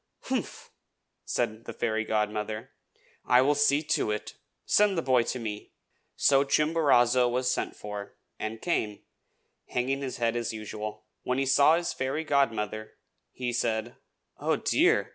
"Humph!" said the fairy godmother. "I will see to it. Send the boy to me!" So Chimborazo was sent for, and came, hanging his head as usual. When he saw his fairy godmother, he said, "Oh, dear!"